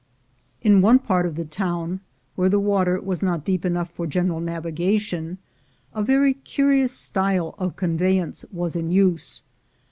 In one part of the town, where the water was not deep enough for general navigation, a very curious style of conveyance was in use.